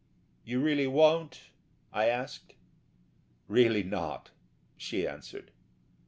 "You really won't?" I asked. "Really not," she answered.